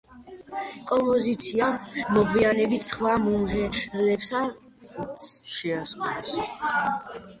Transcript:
კომპოზიცია მოგვიანებით სხვა მომღერლებმაც შეასრულეს.